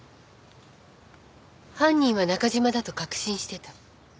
犯人は中嶋だと確信してた。